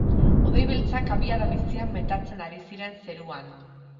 Hodei beltzak abiada bizian metatzen ari ziren zeruan.